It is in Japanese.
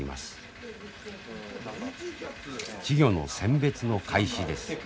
稚魚の選別の開始です。